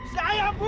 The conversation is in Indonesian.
saya bunuh kamu